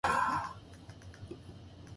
眠たいです私は